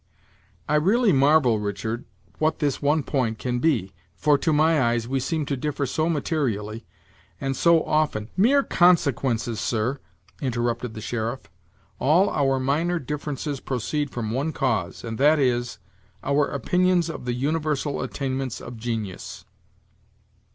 "I really marvel, Richard, what this one point can be, for, to my eyes, we seem to differ so materially, and so often " "Mere consequences, sir," interrupted the sheriff; "all our minor differences proceed from one cause, and that is, our opinions of the universal attainments of genius."